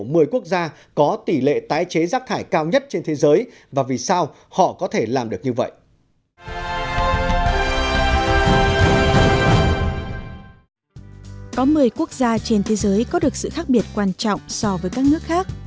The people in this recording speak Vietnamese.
có một mươi quốc gia trên thế giới có được sự khác biệt quan trọng so với các nước khác